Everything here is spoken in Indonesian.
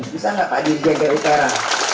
bisa nggak pak dijaga utara